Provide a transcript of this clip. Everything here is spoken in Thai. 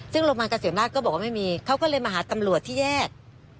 ซึ่งโรงพยาบาลเกษมราชก็บอกว่าไม่มีเขาก็เลยมาหาตำรวจที่แยก